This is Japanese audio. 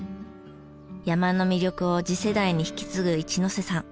山の魅力を次世代に引き継ぐ一瀬さん。